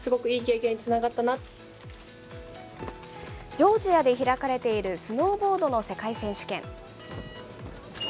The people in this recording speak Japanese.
ジョージアで開かれているスノーボードの世界選手権。